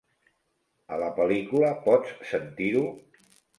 A la pel·lícula, pots sentir-ho?